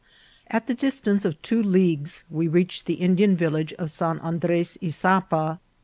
At the distance of two leagues we reached the Indian village of San Andres Isapa.